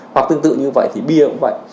hoặc tương tự như vậy thì bia cũng vậy